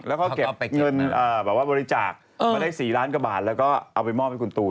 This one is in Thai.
แล้วก็เก็บเงินแบบว่าบริจาคมาได้๔ล้านกว่าบาทแล้วก็เอาไปมอบให้คุณตูน